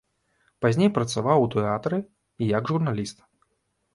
Пазней працаваў у тэатры і як журналіст.